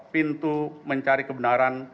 pintu mencari kebenaran